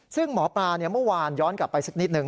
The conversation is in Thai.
ซึ่งหมอปลาเมื่อวานย้อนกลับไปสักนิดหนึ่ง